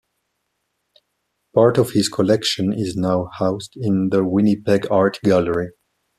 Part of his collection is now housed in the Winnipeg Art Gallery.